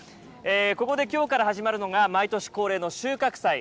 ここで今日から始まるのが毎年恒例の収穫祭。